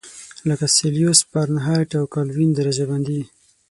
لکه سلسیوس، فارنهایت او کلوین درجه بندي.